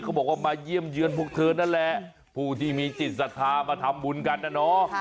เขาบอกว่ามาเยี่ยมเยือนพวกเธอนั่นแหละผู้ที่มีจิตศรัทธามาทำบุญกันนะเนาะ